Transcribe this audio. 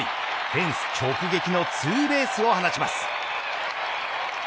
フェンス直撃のツーベースを放ちます。